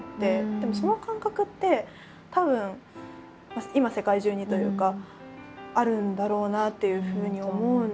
でもその感覚ってたぶん今世界中にというかあるんだろうなっていうふうに思うので。